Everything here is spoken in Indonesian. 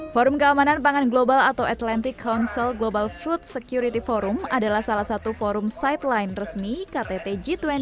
forum keamanan pangan global atau atlantic council global food security forum adalah salah satu forum sideline resmi ktt g dua puluh